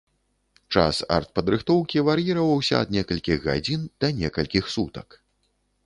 Час артпадрыхтоўкі вар'іраваўся ад некалькіх гадзін да некалькіх сутак.